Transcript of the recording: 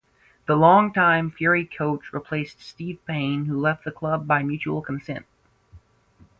The long-time Fury coach replaced Steve Payne who left the club by mutual consent.